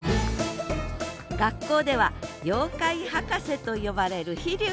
学校では妖怪博士と呼ばれる飛龍くん。